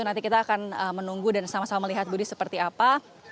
nanti kita akan menunggu dan sama sama melihat budi seperti apa